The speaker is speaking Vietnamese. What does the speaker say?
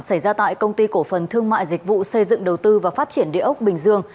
xảy ra tại công ty cổ phần thương mại dịch vụ xây dựng đầu tư và phát triển địa ốc bình dương